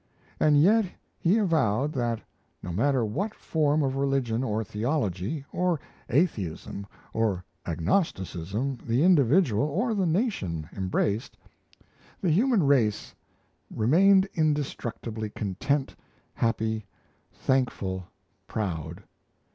And yet he avowed that, no matter what form of religion or theology, atheism or agnosticism, the individual or the nation embraced, the human race remained "indestructibly content, happy, thankful, proud."